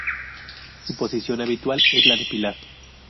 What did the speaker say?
Su posición habitual es la de Pilar.